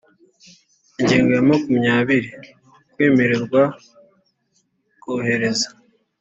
Ingingo ya makumyabiri Kwemererwa kohereza